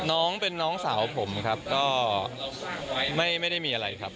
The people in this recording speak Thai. น้องเป็นน้องสาวผมครับก็ไม่ได้มีอะไรครับ